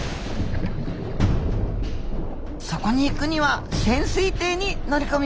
そこに行くには潜水艇に乗り込みます。